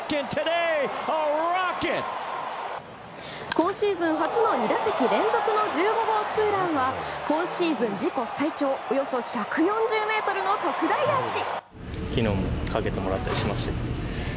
今シーズン初の２打席連続の１５号ツーランは今シーズン自己最長およそ１４０ｍの特大アーチ。